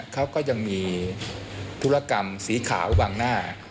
เขาก็ยังมีธุรกรรมสีขาววางหน้า